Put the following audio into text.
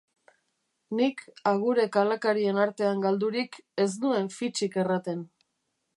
Nik, agure kalakarien artean galdurik, ez nuen fitsik erraten.